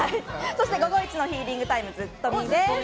午後一のヒーリングタイムずっとみです。